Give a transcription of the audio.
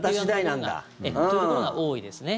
というところが多いですね。